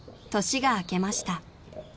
［年が明けました］